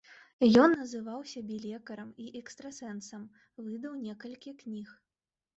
Ён называў сябе лекарам і экстрасэнсам, выдаў некалькіх кніг.